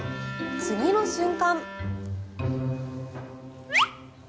次の瞬間。